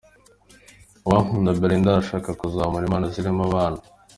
Uwankunda Belinda arashaka kuzamura impano ziri mu bana.